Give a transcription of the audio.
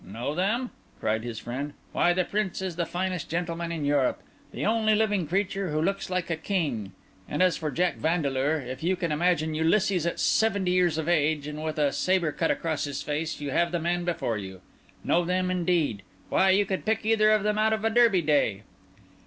"Know them!" cried his friend; "why, the Prince is the finest gentleman in Europe, the only living creature who looks like a king; and as for Jack Vandeleur, if you can imagine Ulysses at seventy years of age, and with a sabre cut across his face, you have the man before you! Know them, indeed! Why, you could pick either of them out of a Derby day!"